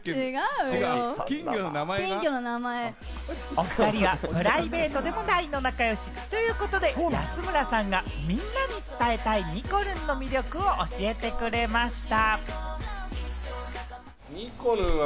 お２人はプライベートでも大の仲良し！ということで、安村さんがみんなに伝えたい、にこるんの魅力を教えてくれました。